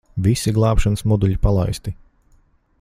Visi glābšanas moduļi palaisti.